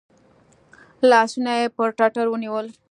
لاسونه یې پر ټتر ونیول .